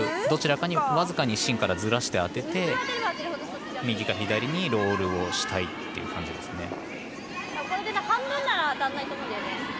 どちらかに僅かに芯からずらして当てて右か左にロールをしたいという感じですね。